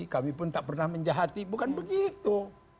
kami pun tak pernah menjahati bukan begitu